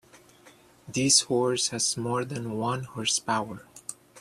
This horse has more than one horse power.